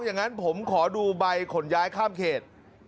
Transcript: อย่างนั้นผมขอดูใบขนย้ายข้ามเขต